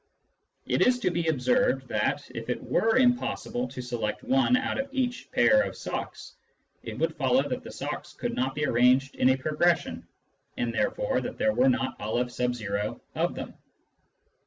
It is to be observed that, if it were impossible to select one out of each pair of socks, it would follow that the socks could not be arranged in a progression, and therefore that there were not N of them.